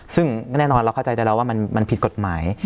ซึ่งแน่นอนเราเข้าใจได้แล้วว่ามันผิดกฎหมาย